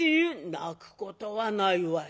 「泣くことはないわい。